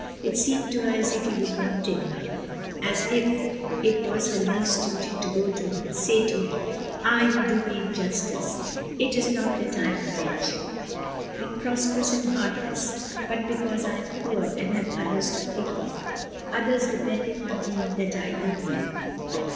It seemed to her as if he was wanting her, as if it was her least duty to go to him, to say to him, "Ah, you do me injustice. It is not that I am rich, and 138 MRS. DYMOND. prosperous and heartless, but because I am poor and have others to think of, others depending on me that I leave you."